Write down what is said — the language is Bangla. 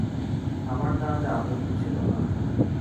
আমার তাহাতে আপত্তি ছিল না।